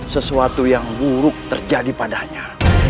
sesuatu yang buruk terjadi padanya